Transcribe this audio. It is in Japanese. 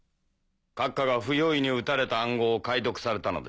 閣下が不用意に打たれた暗号を解読されたのです。